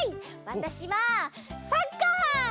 わたしはサッカー！